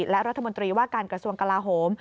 และรัฐมนตรีว่าการกระทรวงกลาโหม